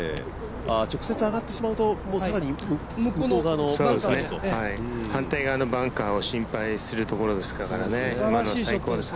直接上がってしまうと更に向こう側のバンカーに反対側のバンカーを心配するところでしたから、最高です。